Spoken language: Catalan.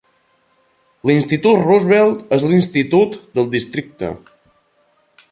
L'Institut Roosevelt és l'institut del districte.